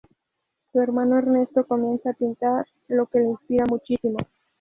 Su hermano, Ernesto comienza a pintar, lo que le inspira muchísimo.